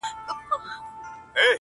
کوټي ته درځمه گراني!!